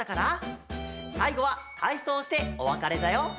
さいごはたいそうをしておわかれだよ！